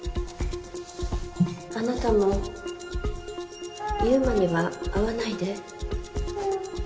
あなたも優馬には会わないで。